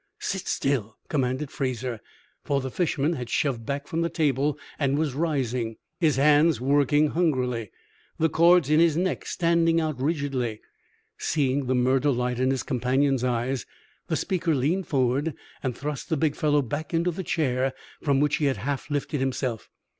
"Sit still!" commanded Fraser; for the fisherman had shoved back from the table and was rising, his hands working hungrily, the cords in his neck standing out rigidly. Seeing the murder light in his companion's eyes, the speaker leaned forward and thrust the big fellow back into the chair from which he had half lifted himself.